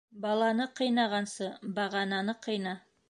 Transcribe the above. Баланы ҡыйнағансы, бағананы ҡыйна.